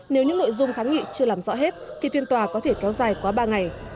nếu những nội dung kháng nghị chưa làm rõ hết thì phiên tòa có thể kéo dài quá ba ngày